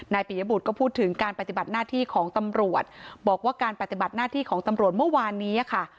ปียบุตรก็พูดถึงการปฏิบัติหน้าที่ของตำรวจบอกว่าการปฏิบัติหน้าที่ของตำรวจเมื่อวานนี้ค่ะ